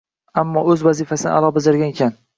ammo o‘z vazifasini a’lo bajargan ekan.